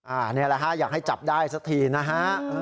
อันนี้แหละฮะอยากให้จับได้สักทีนะฮะ